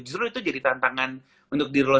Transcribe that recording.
justru itu jadi tantangan untuk diri lo